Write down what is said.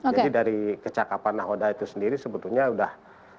jadi dari kecakapan nahkoda itu sendiri sebetulnya sudah